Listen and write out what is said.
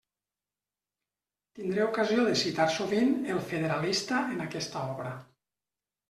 Tindré ocasió de citar sovint el Federalista en aquesta obra.